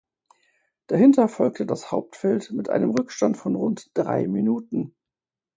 Dahinter folgte das Hauptfeld mit einem Rückstand von rund drei Minuten.